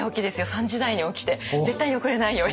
３時台に起きて絶対に遅れないように。